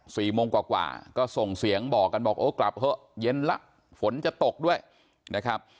สี่โมงกว่ากว่าก็ส่งเสียงบอกกันบอกโอ้กลับเถอะเย็นละฝนจะตกด้วยนะครับ